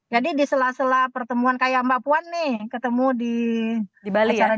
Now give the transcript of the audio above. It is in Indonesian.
jadi di sela sela pertemuan kayak mbak puan nih ketemu di bali ya